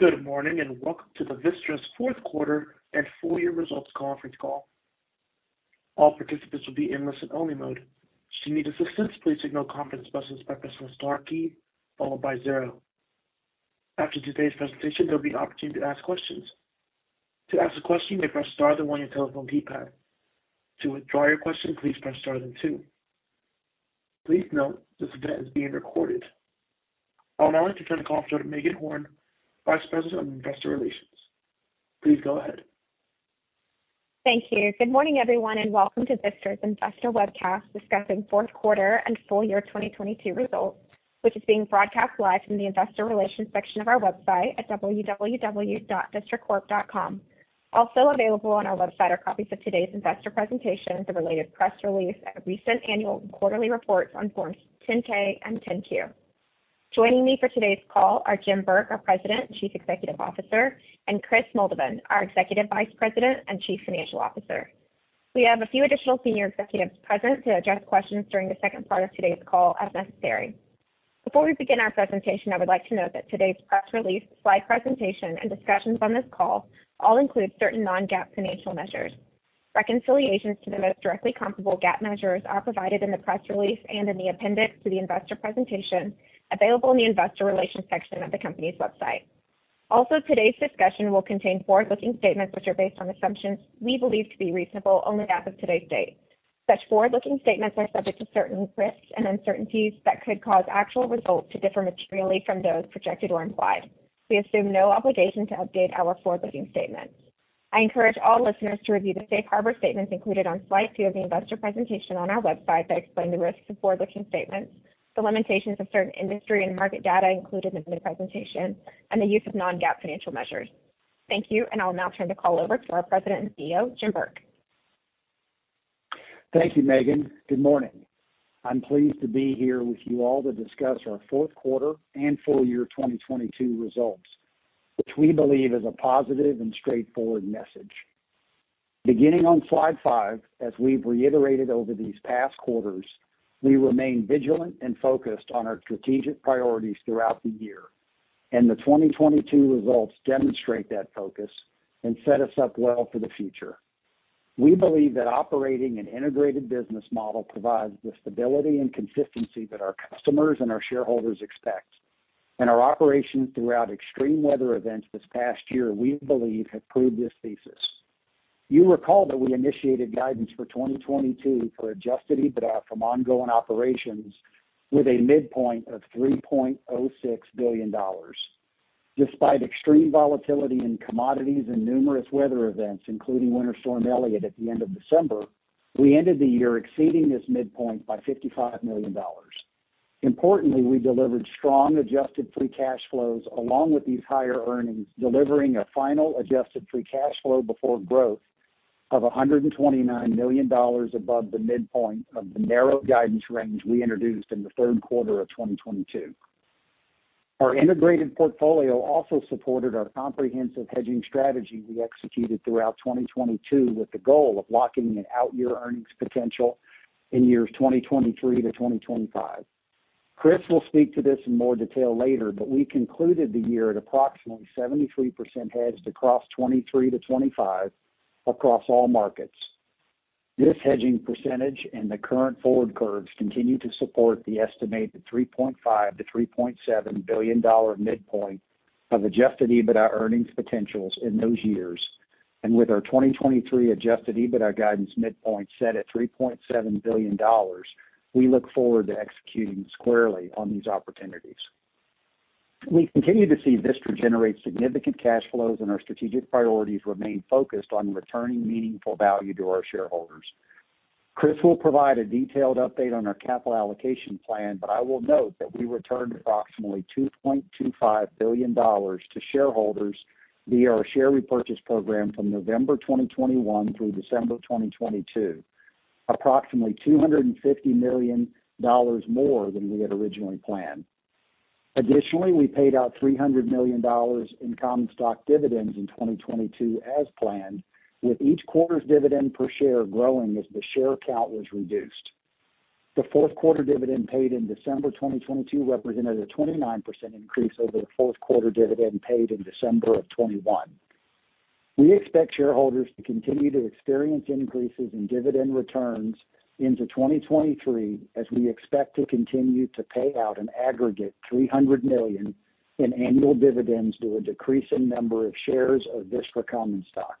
Good morning. Welcome to Vistra's fourth quarter and full year results conference call. All participants will be in listen only mode. Should you need assistance, please signal conference business by pressing star key followed by zero. After today's presentation, there'll be an opportunity to ask questions. To ask a question, you may press star then one on your telephone keypad. To withdraw your question, please press star then two. Please note this event is being recorded. I would now like to turn the call over to Meagan Horn, Vice President of Investor Relations. Please go ahead. Thank you. Good morning, everyone, and welcome to Vistra's Investor Webcast discussing fourth quarter and full year 2022 results, which is being broadcast live from the investor relations section of our website at www.vistracorp.com. Also available on our website are copies of today's investor presentation, the related press release and recent annual and quarterly reports on forms 10-K and 10-Q. Joining me for today's call are Jim Burke, our President and Chief Executive Officer, and Kris Moldovan, our Executive Vice President and Chief Financial Officer. We have a few additional senior executives present to address questions during the second part of today's call as necessary. Before we begin our presentation, I would like to note that today's press release, slide presentation and discussions on this call all include certain non-GAAP financial measures. Reconciliations to the most directly comparable GAAP measures are provided in the press release and in the appendix to the investor presentation available in the investor relations section of the company's website. Also, today's discussion will contain forward-looking statements which are based on assumptions we believe to be reasonable only as of today's date. Such forward-looking statements are subject to certain risks and uncertainties that could cause actual results to differ materially from those projected or implied. We assume no obligation to update our forward-looking statements. I encourage all listeners to review the safe harbor statements included on slide two of the investor presentation on our website that explain the risks of forward-looking statements, the limitations of certain industry and market data included in the presentation, and the use of non-GAAP financial measures. Thank you, and I'll now turn the call over to our President and CEO, Jim Burke. Thank you, Meagan. Good morning. I'm pleased to be here with you all to discuss our fourth quarter and full year 2022 results, which we believe is a positive and straightforward message. Beginning on slide five, as we've reiterated over these past quarters, we remain vigilant and focused on our strategic priorities throughout the year, and the 2022 results demonstrate that focus and set us up well for the future. We believe that operating an integrated business model provides the stability and consistency that our customers and our shareholders expect. Our operations throughout extreme weather events this past year, we believe have proved this thesis. You recall that we initiated guidance for 2022 for adjusted EBITDA from ongoing operations with a midpoint of $3.06 billion. Despite extreme volatility in commodities and numerous weather events, including Winter Storm Elliott at the end of December, we ended the year exceeding this midpoint by $55 million. Importantly, we delivered strong adjusted free cash flows along with these higher earnings, delivering a final adjusted free cash flow before growth of $129 million above the midpoint of the narrow guidance range we introduced in the third quarter of 2022. Our integrated portfolio also supported our comprehensive hedging strategy we executed throughout 2022 with the goal of locking in out year earnings potential in years 2023-2025. Kris will speak to this in more detail later, we concluded the year at approximately 73% hedged across 2023-2025 across all markets. This hedging percentage and the current forward curves continue to support the estimated $3.5 billion-$3.7 billion midpoint of adjusted EBITDA earnings potentials in those years. With our 2023 adjusted EBITDA guidance midpoint set at $3.7 billion, we look forward to executing squarely on these opportunities. We continue to see Vistra generate significant cash flows and our strategic priorities remain focused on returning meaningful value to our shareholders. Kris will provide a detailed update on our capital allocation plan, but I will note that we returned approximately $2.25 billion to shareholders via our share repurchase program from November 2021 through December 2022, approximately $250 million more than we had originally planned. We paid out $300 million in common stock dividends in 2022 as planned, with each quarter's dividend per share growing as the share count was reduced. The fourth quarter dividend paid in December 2022 represented a 29% increase over the fourth quarter dividend paid in December 2021. We expect shareholders to continue to experience increases in dividend returns into 2023 as we expect to continue to pay out an aggregate $300 million in annual dividends to a decreasing number of shares of Vistra common stock.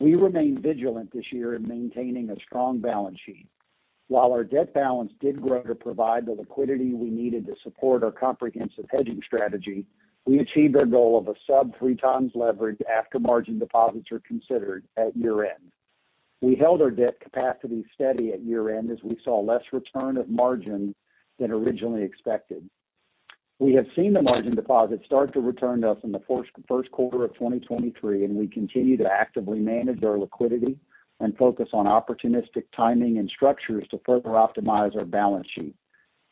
We remain vigilant this year in maintaining a strong balance sheet. Our debt balance did grow to provide the liquidity we needed to support our comprehensive hedging strategy, we achieved our goal of a sub 3x leverage after margin deposits are considered at year-end. We held our debt capacity steady at year-end as we saw less return of margin than originally expected. We have seen the margin deposits start to return to us in the first quarter of 2023. We continue to actively manage our liquidity and focus on opportunistic timing and structures to further optimize our balance sheet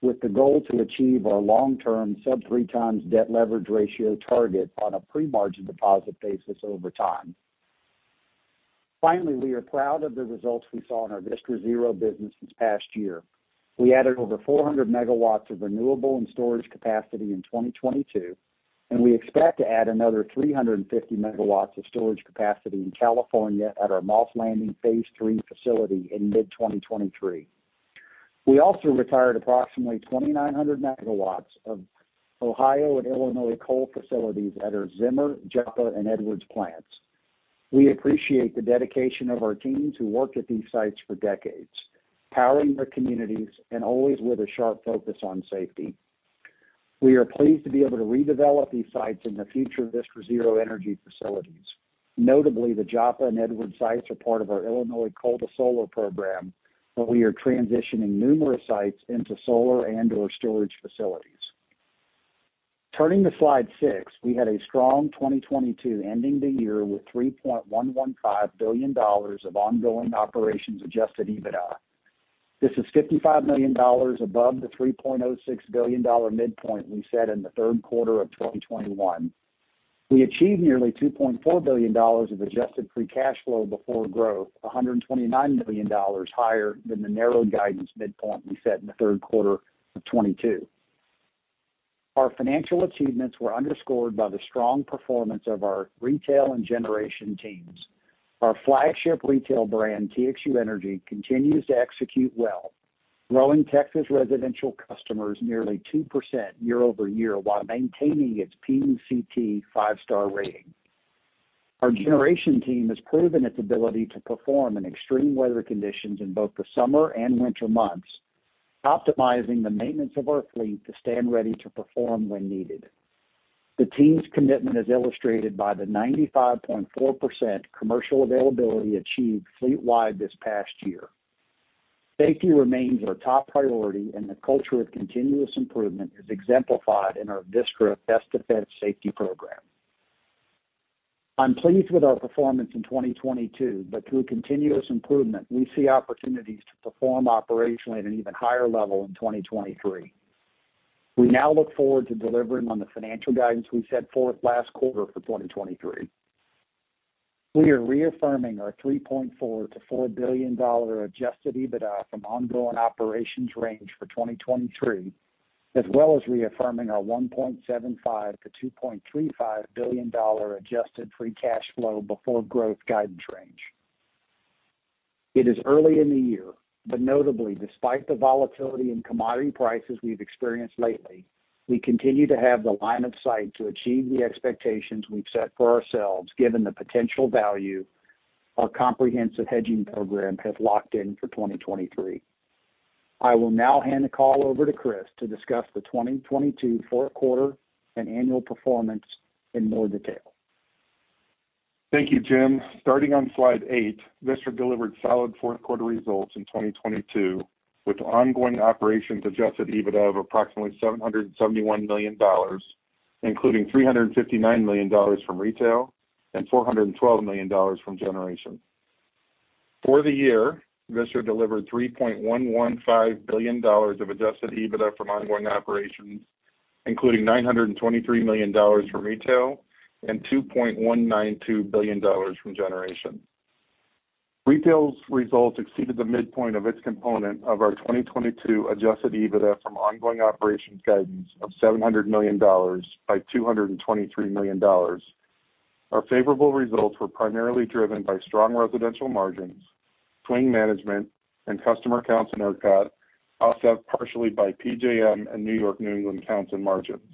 with the goal to achieve our long-term sub 3x debt leverage ratio target on a pre-margin deposit basis over time. We are proud of the results we saw in our Vistra Zero business this past year. We added over 400 MW of renewable and storage capacity in 2022. We expect to add another 350 MW of storage capacity in California at our Moss Landing phase III facility in mid-2023. We also retired approximately 2,900 MW of Ohio and Illinois coal facilities at our Zimmer, Joppa, and Edwards plants. We appreciate the dedication of our teams who worked at these sites for decades, powering their communities and always with a sharp focus on safety. We are pleased to be able to redevelop these sites in the future Vistra Zero energy facilities. Notably, the Joppa and Edwards sites are part of our Illinois Coal to Solar program, where we are transitioning numerous sites into solar and or storage facilities. Turning to slide six, we had a strong 2022, ending the year with $3.115 billion of ongoing operations adjusted EBITDA. This is $55 million above the $3.06 billion midpoint we set in the third quarter of 2021. We achieved nearly $2.4 billion of adjusted free cash flow before growth, $129 million higher than the narrowed guidance midpoint we set in the third quarter of 2022. Our financial achievements were underscored by the strong performance of our retail and generation teams. Our flagship retail brand, TXU Energy, continues to execute well, growing Texas residential customers nearly 2% year-over-year, while maintaining its PUCT five-star rating. Our generation team has proven its ability to perform in extreme weather conditions in both the summer and winter months, optimizing the maintenance of our fleet to stand ready to perform when needed. The team's commitment is illustrated by the 95.4% commercial availability achieved fleet-wide this past year. Safety remains our top priority. The culture of continuous improvement is exemplified in our Vistra Best Defended Safety program. I'm pleased with our performance in 2022. Through continuous improvement, we see opportunities to perform operationally at an even higher level in 2023. We now look forward to delivering on the financial guidance we set forth last quarter for 2023. We are reaffirming our $3.4 billion-$4 billion adjusted EBITDA from ongoing operations range for 2023, as well as reaffirming our $1.75 billion-$2.35 billion adjusted free cash flow before growth guidance range. It is early in the year. Notably, despite the volatility in commodity prices we've experienced lately, we continue to have the line of sight to achieve the expectations we've set for ourselves, given the potential value our comprehensive hedging program has locked in for 2023. I will now hand the call over to Kris to discuss the 2022 fourth quarter and annual performance in more detail. Thank you, Jim. Starting on slide eight, Vistra delivered solid fourth quarter results in 2022, with ongoing operations adjusted EBITDA of approximately $771 million, including $359 million from retail and $412 million from generation. For the year, Vistra delivered $3.115 billion of adjusted EBITDA from ongoing operations, including $923 million from retail and $2.192 billion from generation. Retail's results exceeded the midpoint of its component of our 2022 adjusted EBITDA from ongoing operations guidance of $700 million by $223 million. Our favorable results were primarily driven by strong residential margins, churn management and customer counts in ERCOT, offset partially by PJM and New York, New England counts and margins.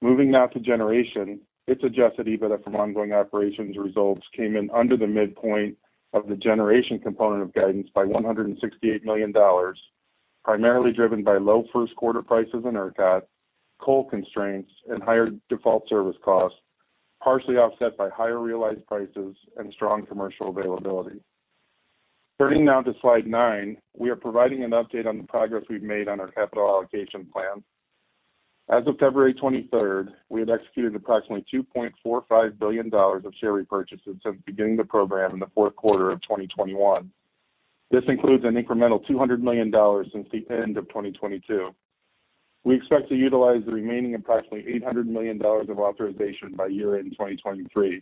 Moving now to generation, its adjusted EBITDA from ongoing operations results came in under the midpoint of the generation component of guidance by $168 million, primarily driven by low first quarter prices in ERCOT, coal constraints and higher default service costs, partially offset by higher realized prices and strong commercial availability. Turning now to slide nine, we are providing an update on the progress we've made on our capital allocation plan. As of February 23rd, we have executed approximately $2.45 billion of share repurchases since beginning the program in the fourth quarter of 2021. This includes an incremental $200 million since the end of 2022. We expect to utilize the remaining approximately $800 million of authorization by year-end in 2023.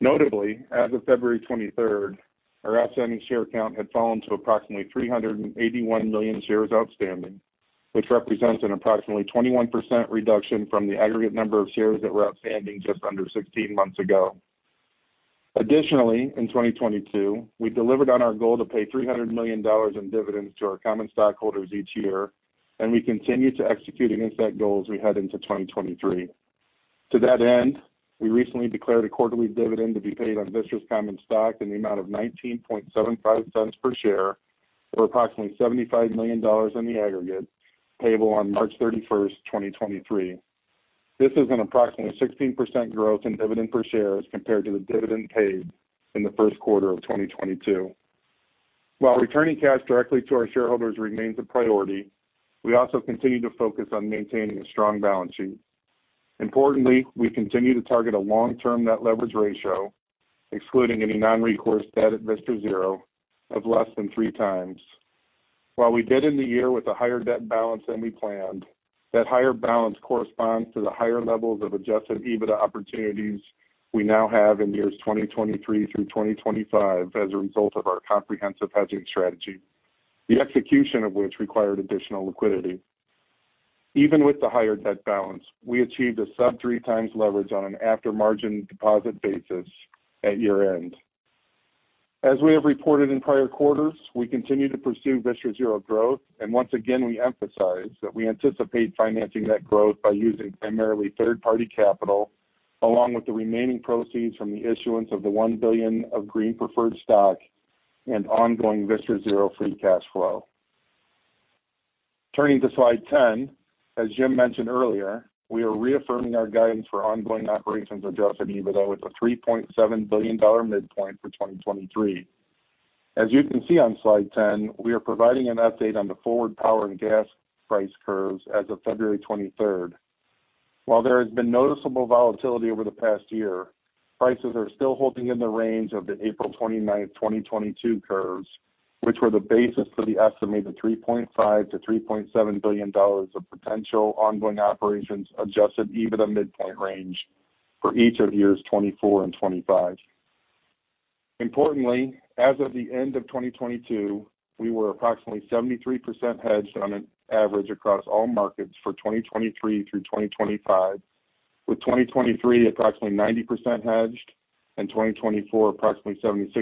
Notably, as of February 23rd, our outstanding share count had fallen to approximately 381 million shares outstanding, which represents an approximately 21% reduction from the aggregate number of shares that were outstanding just under 16 months ago. Additionally, in 2022, we delivered on our goal to pay $300 million in dividends to our common stockholders each year, and we continue to execute against that goal as we head into 2023. To that end, we recently declared a quarterly dividend to be paid on Vistra's common stock in the amount of $0.1975 per share for approximately $75 million in the aggregate, payable on March 31st, 2023. This is an approximately 16% growth in dividend per share as compared to the dividend paid in the first quarter of 2022. While returning cash directly to our shareholders remains a priority, we also continue to focus on maintaining a strong balance sheet. Importantly, we continue to target a long-term net leverage ratio, excluding any non-recourse debt at Vistra Zero, of less than three times. While we did end the year with a higher debt balance than we planned, that higher balance corresponds to the higher levels of adjusted EBITDA opportunities we now have in years 2023 through 2025 as a result of our comprehensive hedging strategy, the execution of which required additional liquidity. Even with the higher debt balance, we achieved a sub-3x leverage on an after-margin deposit basis at year-end. As we have reported in prior quarters, we continue to pursue Vistra Zero growth, and once again, we emphasize that we anticipate financing that growth by using primarily third-party capital, along with the remaining proceeds from the issuance of the $1 billion of green preferred stock and ongoing Vistra Zero free cash flow. Turning to slide 10. As Jim mentioned earlier, we are reaffirming our guidance for ongoing operations adjusted EBITDA with a $3.7 billion midpoint for 2023. As you can see on slide 10, we are providing an update on the forward power and gas price curves as of February 23rd. While there has been noticeable volatility over the past year, prices are still holding in the range of the April 29th, 2022 curves, which were the basis for the estimated $3.5 billion-$3.7 billion of potential ongoing operations adjusted EBITDA midpoint range for each of years 2024 and 2025. Importantly, as of the end of 2022, we were approximately 73% hedged on an average across all markets for 2023 through 2025, with 2023 approximately 90% hedged and 2024 approximately 76%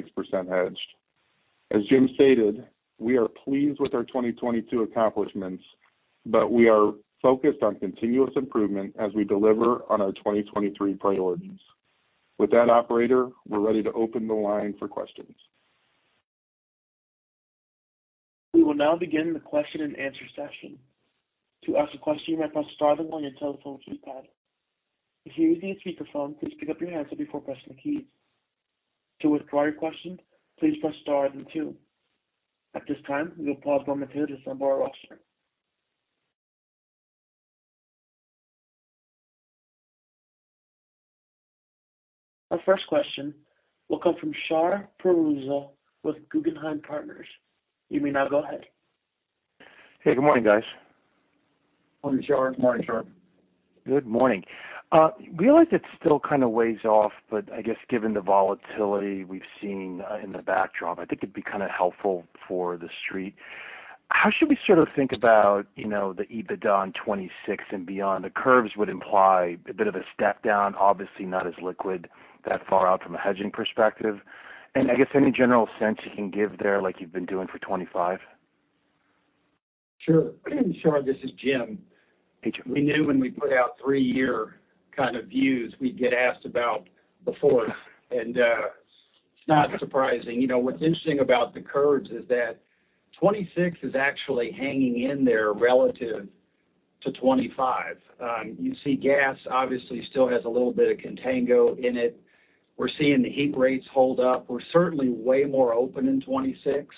hedged. As Jim stated, we are pleased with our 2022 accomplishments, but we are focused on continuous improvement as we deliver on our 2023 priorities. With that operator, we're ready to open the line for questions. We will now begin the question and answer session. To ask a question, press star then one on your telephone keypad. If you're using a speakerphone, please pick up your handset before pressing the keys. To withdraw your question, please press star then two. At this time, we will pause momentarily for some more questions. Our first question will come from Shahriar Pourreza with Guggenheim Partners. You may now go ahead. Hey, good morning, guys. Morning, Shahriar. Morning, Shahriar. Good morning. realize it still kind of weighs off, but I guess given the volatility we've seen in the backdrop, I think it'd be kind of helpful for the street. How should we sort of think about, you know, the EBITDA on 2026 and beyond? The curves would imply a bit of a step down, obviously not as liquid that far out from a hedging perspective. I guess any general sense you can give there like you've been doing for 2025? Sure. Shar, this is Jim. Hey, Jim. We knew when we put out three-year kind of views we'd get asked about before. It's not surprising. You know, what's interesting about the curves is that 2026 is actually hanging in there relative to 2025. You see gas obviously still has a little bit of contango in it. We're seeing the heat rates hold up. We're certainly way more open in 2026,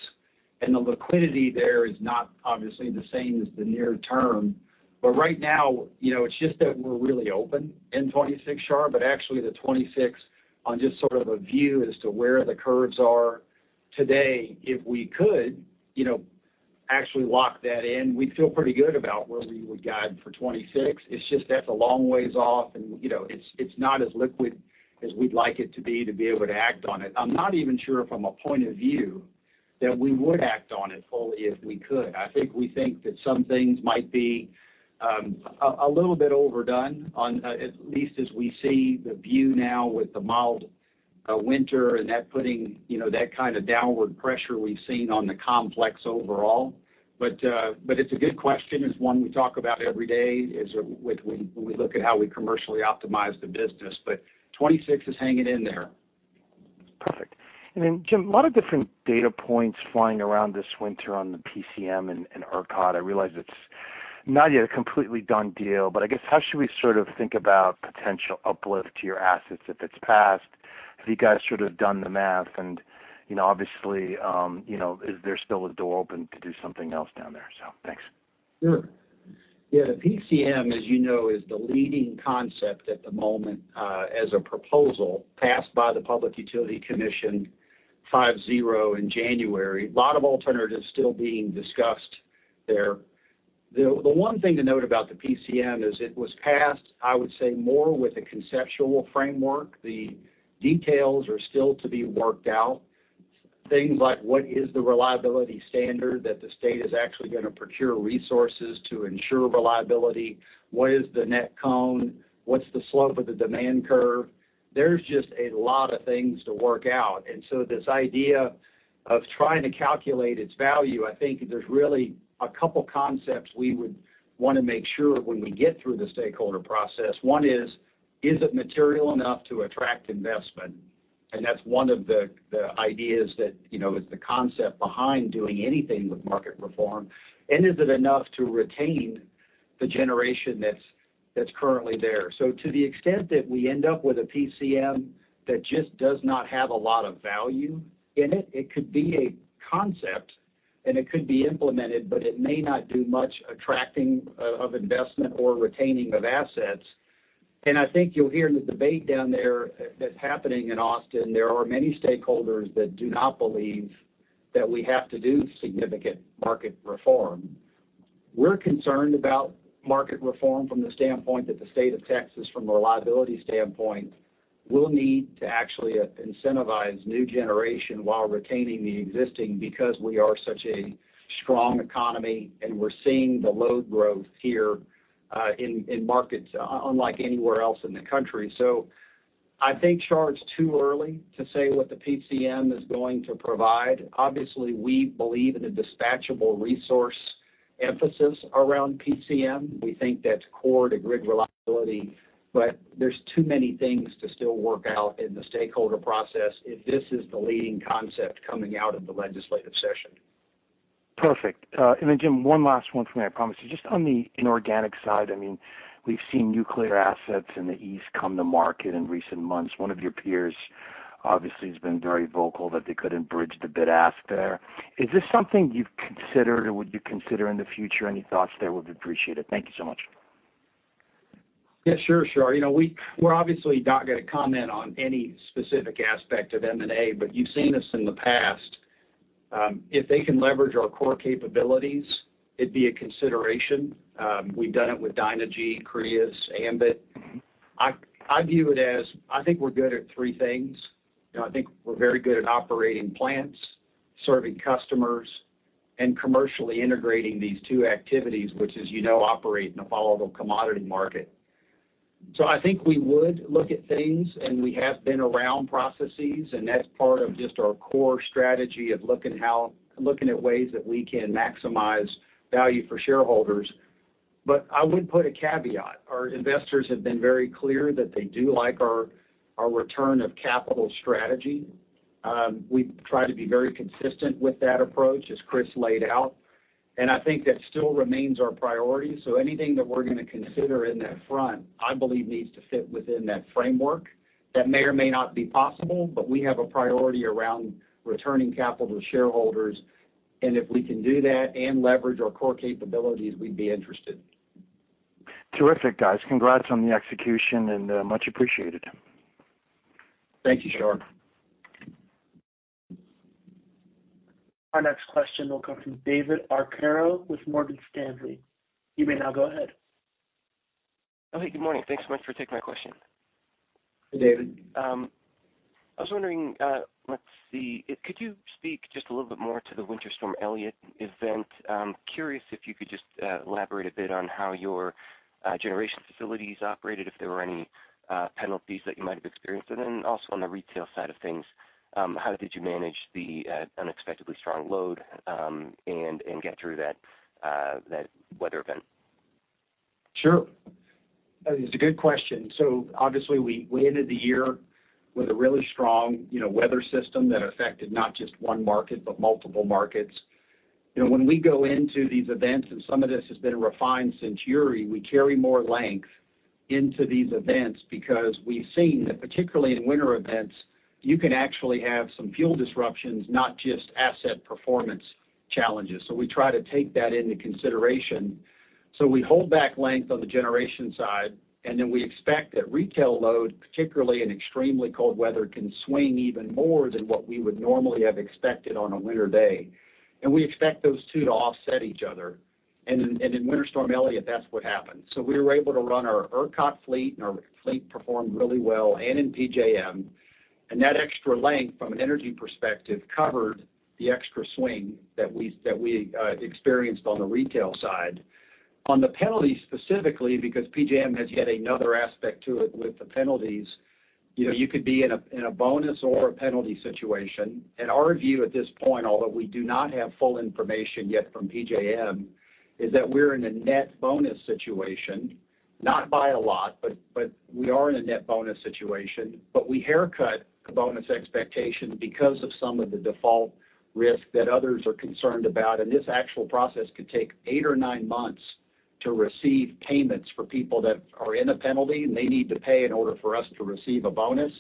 and the liquidity there is not obviously the same as the near term. Right now, you know, it's just that we're really open in 2026, Shar, but actually the 2026 on just sort of a view as to where the curves are today, if we could, you know, actually lock that in, we'd feel pretty good about where we would guide for 2026. It's just that's a long ways off and, you know, it's not as liquid as we'd like it to be to be able to act on it. I'm not even sure from a point of view that we would act on it fully if we could. I think we think that some things might be a little bit overdone on, at least as we see the view now with the mild winter and that putting, you know, that kind of downward pressure we've seen on the complex overall. It's a good question. It's one we talk about every day as we look at how we commercially optimize the business. 2026 is hanging in there. Perfect. Then Jim, a lot of different data points flying around this winter on the PCM and ERCOT. I realize it's not yet a completely done deal, but I guess how should we sort of think about potential uplift to your assets if it's passed? Have you guys should have done the math? You know, obviously, you know, is there still a door open to do something else down there? Thanks. Sure. Yeah. The PCM, as you know, is the leading concept at the moment, as a proposal passed by the Public Utility Commission 5-0 in January. A lot of alternatives still being discussed there. The one thing to note about the PCM is it was passed, I would say, more with a conceptual framework. The details are still to be worked out. Things like what is the reliability standard that the state is actually gonna procure resources to ensure reliability? What is the Net CONE? What's the slope of the demand curve? There's just a lot of things to work out. This idea of trying to calculate its value, I think there's really a couple concepts we would wanna make sure when we get through the stakeholder process. One is it material enough to attract investment? That's one of the ideas that, you know, is the concept behind doing anything with market reform. Is it enough to retain the generation that's currently there? To the extent that we end up with a PCM that just does not have a lot of value in it could be a concept and it could be implemented, but it may not do much attracting of investment or retaining of assets. I think you'll hear in the debate down there that's happening in Austin, there are many stakeholders that do not believe that we have to do significant market reform. We're concerned about market reform from the standpoint that the state of Texas, from a reliability standpoint, will need to actually incentivize new generation while retaining the existing because we are such a strong economy and we're seeing the load growth here, in markets, unlike anywhere else in the country. I think, Shar, it's too early to say what the PCM is going to provide. Obviously, we believe in the dispatchable resource emphasis around PCM. We think that's core to grid reliability, but there's too many things to still work out in the stakeholder process if this is the leading concept coming out of the legislative session. Perfect. Jim, one last one for me, I promise. Just on the inorganic side, I mean, we've seen nuclear assets in the east come to market in recent months. One of your peers obviously has been very vocal that they couldn't bridge the bid ask there. Is this something you've considered or would you consider in the future? Any thoughts there would be appreciated. Thank you so much. Yeah, sure, Shar. You know, we're obviously not gonna comment on any specific aspect of M&A, but you've seen us in the past. If they can leverage our core capabilities, it'd be a consideration. We've done it with Dynegy, Crius, Ambit. I view it as, I think we're good at three things. You know, I think we're very good at operating plants, serving customers, and commercially integrating these two activities, which as you know, operate in a volatile commodity market. I think we would look at things, and we have been around processes, and that's part of just our core strategy of looking at ways that we can maximize value for shareholders. I would put a caveat. Our investors have been very clear that they do like our return of capital strategy. We try to be very consistent with that approach, as Kris laid out, and I think that still remains our priority. Anything that we're gonna consider in that front, I believe needs to fit within that framework. That may or may not be possible, but we have a priority around returning capital to shareholders. If we can do that and leverage our core capabilities, we'd be interested. Terrific, guys. Congrats on the execution and, much appreciated. Thank you, Shar. Our next question will come from David Arcaro with Morgan Stanley. You may now go ahead. Oh, hey, good morning. Thanks so much for taking my question. Hey, David. I was wondering, let's see. Could you speak just a little bit more to the Winter Storm Elliott event? Curious if you could just elaborate a bit on how your generation facilities operated, if there were any penalties that you might have experienced. Also on the retail side of things, how did you manage the unexpectedly strong load and get through that weather event? Sure. It's a good question. Obviously we ended the year with a really strong, you know, weather system that affected not just one market, but multiple markets. You know, when we go into these events, some of this has been refined since Uri, we carry more length into these events because we've seen that particularly in winter events, you can actually have some fuel disruptions, not just asset performance challenges. We try to take that into consideration. We hold back length on the generation side, we expect that retail load, particularly in extremely cold weather, can swing even more than what we would normally have expected on a winter day. We expect those two to offset each other. In Winter Storm Elliott, that's what happened. We were able to run our ERCOT fleet, and our fleet performed really well and in PJM, and that extra length from an energy perspective covered the extra swing that we experienced on the retail side. On the penalty specifically, because PJM has yet another aspect to it with the penalties, you know, you could be in a bonus or a penalty situation. Our view at this point, although we do not have full information yet from PJM, is that we're in a net bonus situation, not by a lot, but we are in a net bonus situation. We haircut bonus expectations because of some of the default risk that others are concerned about. This actual process could take 8 or 9 months to receive payments for people that are in a penalty, and they need to pay in order for us to receive a bonus.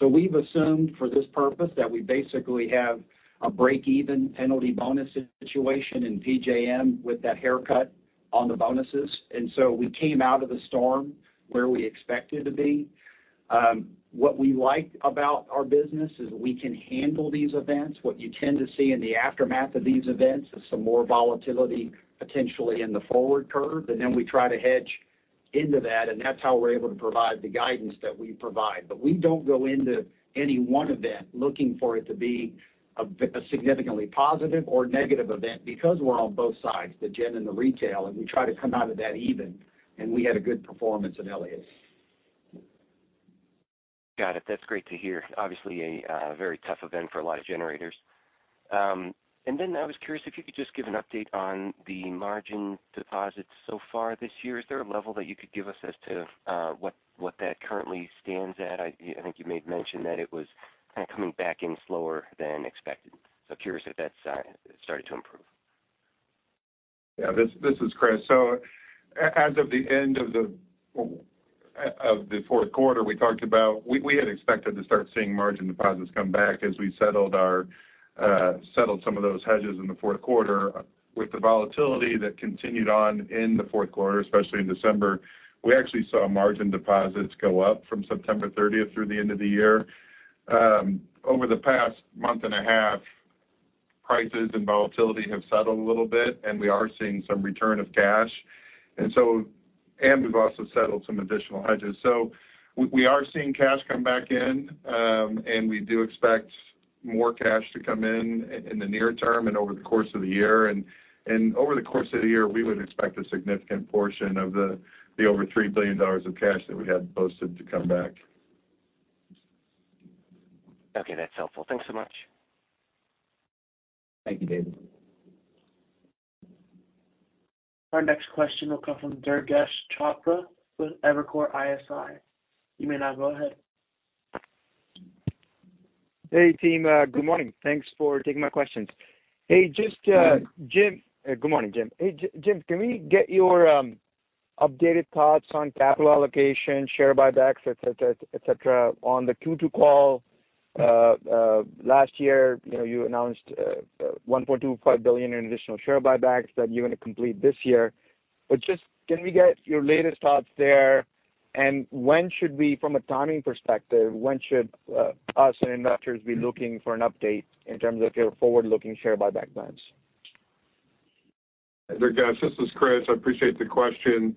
We've assumed for this purpose that we basically have a break even penalty bonus situation in PJM with that haircut on the bonuses. We came out of the storm where we expected to be. What we like about our business is we can handle these events. What you tend to see in the aftermath of these events is some more volatility potentially in the forward curve. We try to hedge into that, and that's how we're able to provide the guidance that we provide. We don't go into any one event looking for it to be a significantly positive or negative event because we're on both sides, the gen and the retail, and we try to come out of that even. We had a good performance in Elliott. Got it. That's great to hear. Obviously a very tough event for a lot of generators. I was curious if you could just give an update on the margin deposits so far this year. Is there a level that you could give us as to what that currently stands at? I think you made mention that it was kind of coming back in slower than expected. Curious if that's started to improve. This is Kris. As of the end of the fourth quarter, we talked about we had expected to start seeing margin deposits come back as we settled our settled some of those hedges in the fourth quarter. With the volatility that continued on in the fourth quarter, especially in December, we actually saw margin deposits go up from September 30th through the end of the year. Over the past month and a half, prices and volatility have settled a little bit, and we are seeing some return of cash. We've also settled some additional hedges. We are seeing cash come back in, and we do expect more cash to come in the near term and over the course of the year. Over the course of the year, we would expect a significant portion of the over $3 billion of cash that we had posted to come back. Okay, that's helpful. Thanks so much. Thank you, David. Our next question will come from Durgesh Chopra with Evercore ISI. You may now go ahead. Hey, team. Good morning. Thanks for taking my questions. Hey, just Jim. Good morning, Jim. Hey, Jim, can we get your updated thoughts on capital allocation, share buybacks, et cetera. On the Q2 call last year, you know, you announced $1.25 billion in additional share buybacks that you're gonna complete this year. Just can we get your latest thoughts there? When should we From a timing perspective, when should us and investors be looking for an update in terms of your forward-looking share buyback plans? Durgesh, this is Kris. I appreciate the question.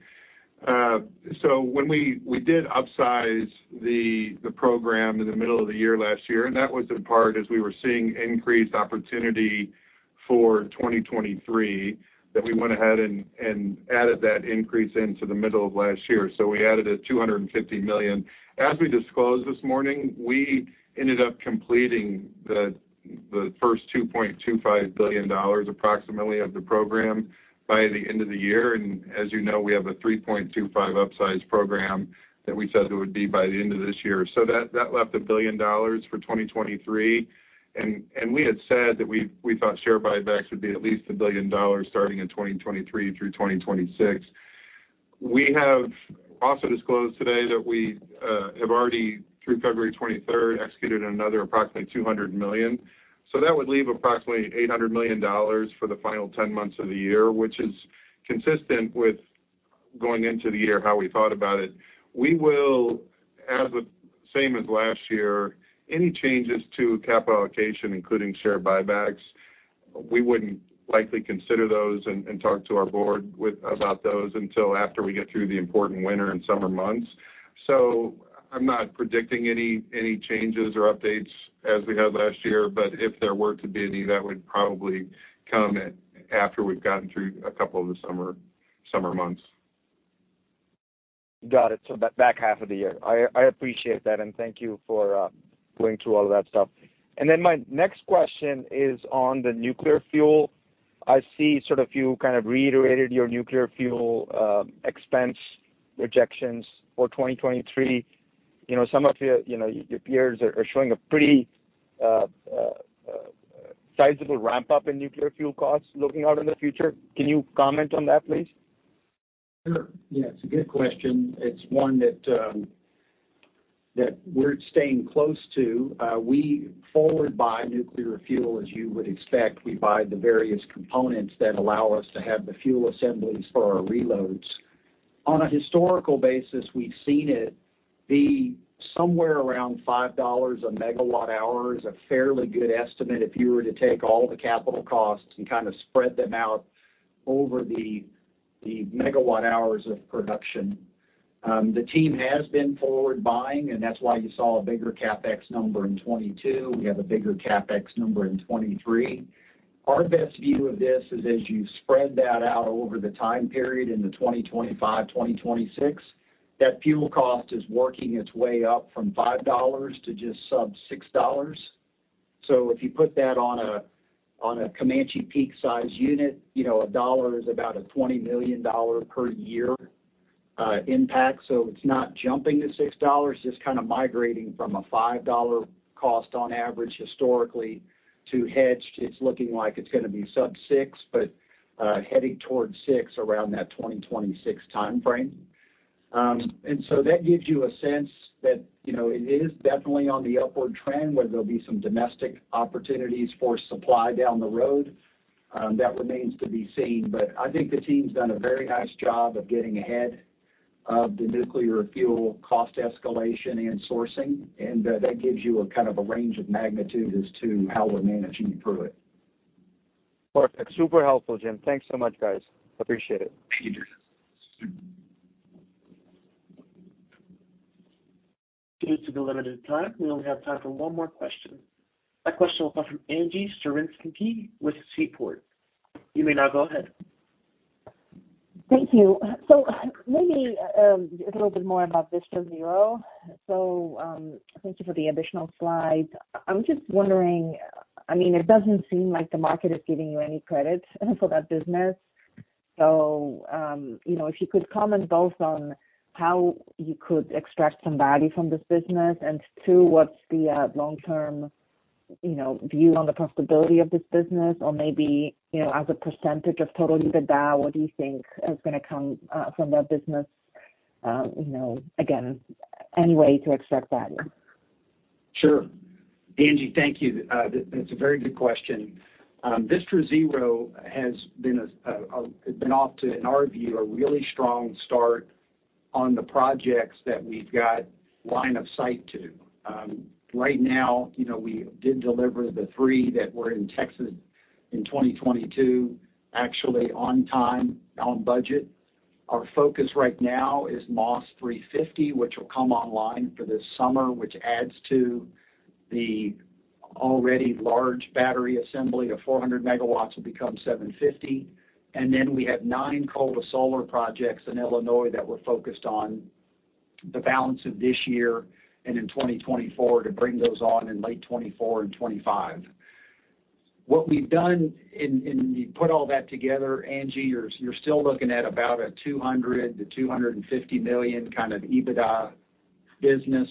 When we did upsize the program in the middle of the year last year, that was in part as we were seeing increased opportunity for 2023, that we went ahead and added that increase into the middle of last year. We added a $250 million. As we disclosed this morning, we ended up completing the first $2.25 billion approximately of the program by the end of the year. As you know, we have a $3.25 upsize program that we said it would be by the end of this year. That left a $1 billion for 2023. We had said that we thought share buybacks would be at least $1 billion starting in 2023 through 2026. We have also disclosed today that we have already, through February 23rd, executed another approximately $200 million. That would leave approximately $800 million for the final 10 months of the year, which is consistent with going into the year how we thought about it. We will, as the same as last year, any changes to capital allocation, including share buybacks, we wouldn't likely consider those and talk to our board about those until after we get through the important winter and summer months. I'm not predicting any changes or updates as we have last year, but if there were to be any, that would probably come after we've gotten through a couple of the summer months. Got it. That back half of the year. I appreciate that, and thank you for going through all that stuff. My next question is on the nuclear fuel. I see sort of you kind of reiterated your nuclear fuel expense projections for 2023. You know, some of your peers are showing a pretty sizable ramp-up in nuclear fuel costs looking out in the future. Can you comment on that, please? Sure. It's a good question. It's one that we're staying close to. We forward buy nuclear fuel, as you would expect. We buy the various components that allow us to have the fuel assemblies for our reloads. On a historical basis, we've seen it be somewhere around $5 a megawatt hour is a fairly good estimate if you were to take all the capital costs and kind of spread them out over the megawatt hours of production. The team has been forward buying, that's why you saw a bigger CapEx number in 2022. We have a bigger CapEx number in 2023. Our best view of this is as you spread that out over the time period in the 2025, 2026, that fuel cost is working its way up from $5 to just sub $6. If you put that on a, on a Comanche Peak size unit, you know, $1 is about a $20 million per year impact. It's not jumping to $6, just kinda migrating from a $5 cost on average historically to hedged. It's looking like it's gonna be sub $6, but heading towards $6 around that 2026 timeframe. That gives you a sense that, you know, it is definitely on the upward trend where there'll be some domestic opportunities for supply down the road, that remains to be seen. I think the team's done a very nice job of getting ahead of the nuclear fuel cost escalation and sourcing. That gives you a kind of a range of magnitude as to how we're managing through it. Perfect. Super helpful, Jim. Thanks so much, guys. Appreciate it. Thank you. Due to the limited time, we only have time for one more question. That question will come from Angie Storozynski with Seaport Research Partners. You may now go ahead. Thank you. Maybe a little bit more about Vistra Zero. Thank you for the additional slides. I'm just wondering, I mean, it doesn't seem like the market is giving you any credit for that business. You know, if you could comment both on how you could extract some value from this business, and two, what's the long term, you know, view on the profitability of this business? Or maybe, you know, as a percentage of total EBITDA, what do you think is gonna come from that business? You know, again, any way to extract value? Sure. Angie, thank you. That's a very good question. Vistra Zero has been off to in our view, a really strong start on the projects that we've got line of sight to. Right now, you know, we did deliver the 3 that were in Texas in 2022, actually on time, on budget. Our focus right now is Moss 350, which will come online for this summer, which adds to the already large battery assembly of 400 megawatts will become 750. Then we have nine coal to solar projects in Illinois that we're focused on the balance of this year and in 2024 to bring those on in late 2024 and 2025. What we've done in you put all that together, Angie, you're still looking at about a $200 million-$250 million kind of EBITDA business.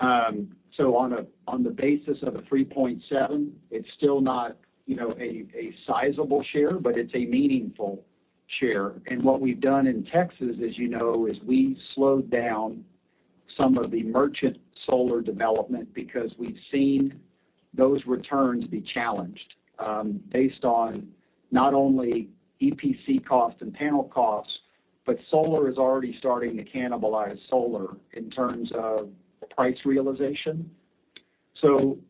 On the basis of a 3.7, it's still not, you know, a sizable share, but it's a meaningful share. What we've done in Texas, as you know, is we slowed down some of the merchant solar development because we've seen those returns be challenged, based on not only EPC costs and panel costs, but solar is already starting to cannibalize solar in terms of price realization.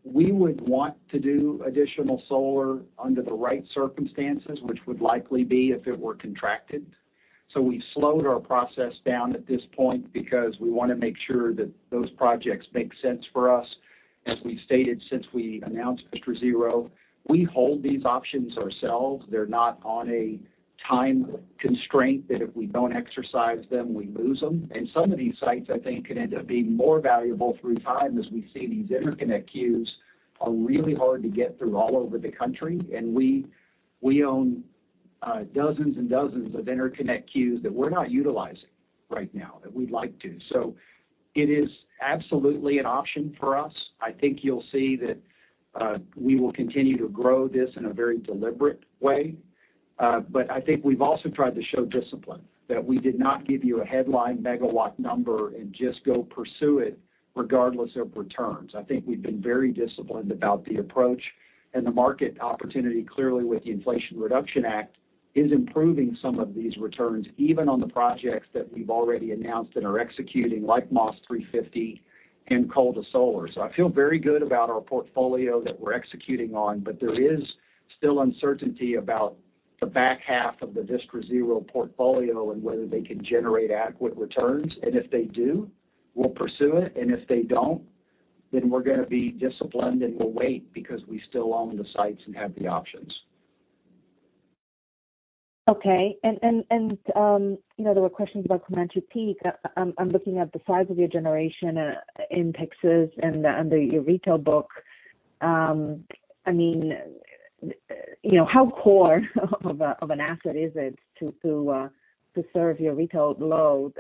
We would want to do additional solar under the right circumstances, which would likely be if it were contracted. We slowed our process down at this point because we wanna make sure that those projects make sense for us. As we stated since we announced Vistra Zero, we hold these options ourselves. They're not on a time constraint that if we don't exercise them, we lose them. Some of these sites, I think, could end up being more valuable through time as we see these interconnect queues are really hard to get through all over the country. We own dozens and dozens of interconnect queues that we're not utilizing right now that we'd like to. It is absolutely an option for us. I think you'll see that, we will continue to grow this in a very deliberate way. I think we've also tried to show discipline, that we did not give you a headline megawatt number and just go pursue it regardless of returns. I think we've been very disciplined about the approach and the market opportunity, clearly with the Inflation Reduction Act, is improving some of these returns, even on the projects that we've already announced and are executing, like Moss 350 and Coal to Solar. I feel very good about our portfolio that we're executing on, but there is still uncertainty about the back half of the Vistra Zero portfolio and whether they can generate adequate returns. If they do, we'll pursue it. If they don't, then we're gonna be disciplined and we'll wait because we still own the sites and have the options. Okay. You know, there were questions about Comanche Peak. I'm looking at the size of your generation in Texas and under your retail book. I mean, you know, how core of an asset is it to serve your retail load?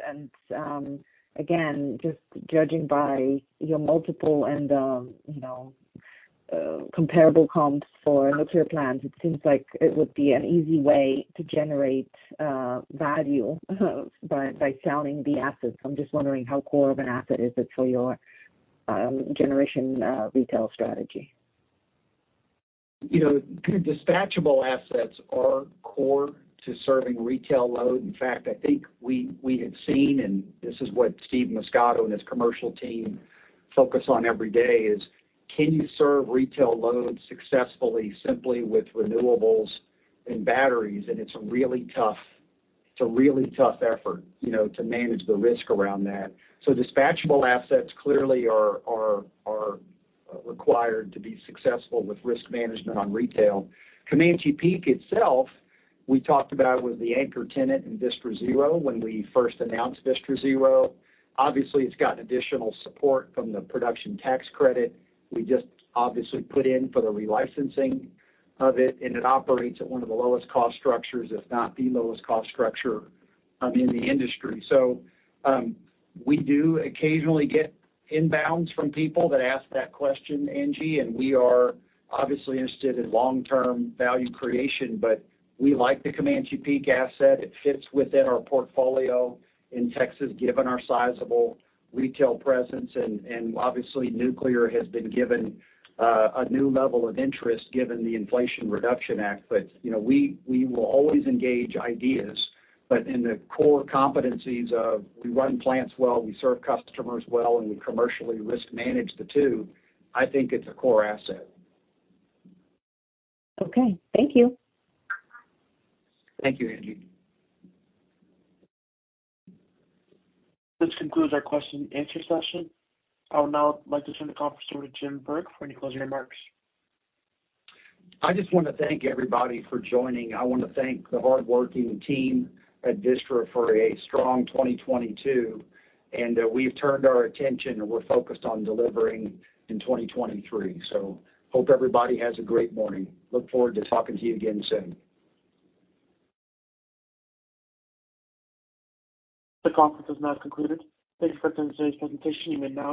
Again, just judging by your multiple and, you know, comparable comps for nuclear plants, it seems like it would be an easy way to generate value by selling the assets. I'm just wondering how core of an asset is it for your generation retail strategy? You know, dispatchable assets are core to serving retail load. In fact, I think we had seen, and this is what Steve Muscato and his commercial team focus on every day is, can you serve retail loads successfully simply with renewables and batteries? It's a really tough effort, you know, to manage the risk around that. Dispatchable assets clearly are required to be successful with risk management on retail. Comanche Peak itself, we talked about with the anchor tenant in Vistra Zero when we first announced Vistra Zero. Obviously, it's got additional support from the production tax credit. We just obviously put in for the relicensing of it, and it operates at one of the lowest cost structures, if not the lowest cost structure, in the industry. We do occasionally get inbounds from people that ask that question, Angie. We are obviously interested in long-term value creation, but we like the Comanche Peak asset. It fits within our portfolio in Texas, given our sizable retail presence. Obviously, nuclear has been given a new level of interest given the Inflation Reduction Act. You know, we will always engage ideas. In the core competencies of we run plants well, we serve customers well, and we commercially risk manage the two, I think it's a core asset. Okay. Thank you. Thank you, Angie. This concludes our question and answer session. I would now like to turn the conference over to Jim Burke for any closing remarks. I just wanna thank everybody for joining. I wanna thank the hardworking team at Vistra for a strong 2022, and we've turned our attention and we're focused on delivering in 2023. Hope everybody has a great morning. Look forward to talking to you again soon. The conference has now concluded. Thank you for attending today's presentation. You may now disconnect.